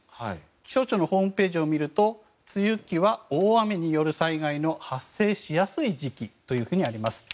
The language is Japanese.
気象庁のホームページを見ると梅雨期は大雨による災害が発生しやすい時期とあります。